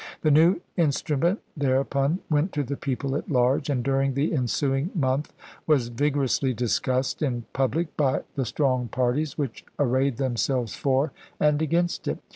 The new instrument thereupon went to the people at large, and during the ensuing month was vigorously discussed in public by the strong parties which arrayed themselves for and against it.